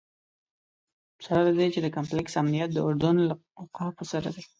سره له دې چې د کمپلکس امنیت د اردن له اوقافو سره دی.